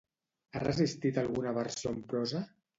Ha resistit alguna versió en prosa?